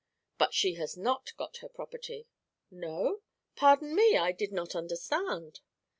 'But she has not got her property.' 'No? Pardon me, I did not understand.'